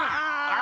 あ！